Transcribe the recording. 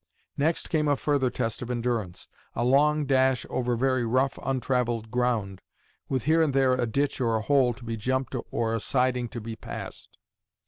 Next came a further test of endurance a long dash over very rough untraveled ground, with here and there a ditch or a hole to be jumped or a siding to be passed.